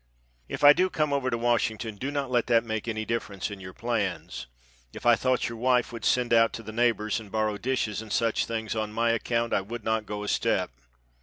If I do come over to Washington do not let that make any difference in your plans. If I thought your wife would send out to the neighbors and borrow dishes and such things on my account I would not go a step.